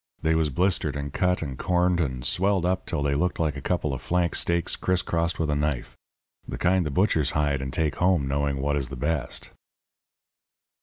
They was blistered and cut and corned and swelled up till they looked like a couple of flank steaks criss crossed with a knife the kind the butchers hide and take home, knowing what is the best.